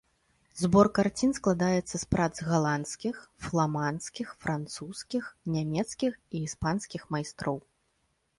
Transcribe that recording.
Збор карцін складаецца з прац галандскіх, фламандскіх, французскіх, нямецкіх і іспанскіх майстроў.